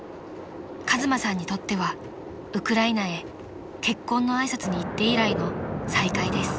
［和真さんにとってはウクライナへ結婚の挨拶に行って以来の再会です］